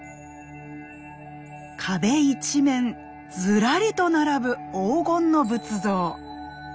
壁一面ずらりと並ぶ黄金の仏像。